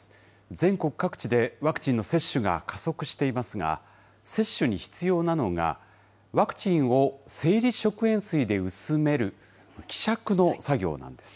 全国各地でワクチンの接種が加速していますが、接種に必要なのが、ワクチンを生理食塩水で薄める希釈の作業なんです。